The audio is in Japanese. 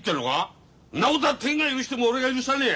んなこたあ天が許しても俺が許さねえ！